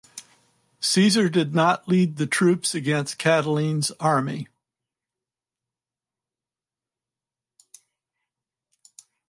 Caesar did not lead the troops against Catiline's army.